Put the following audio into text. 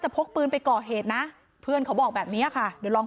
พกปืนไปก่อเหตุนะเพื่อนเขาบอกแบบนี้ค่ะเดี๋ยวลอง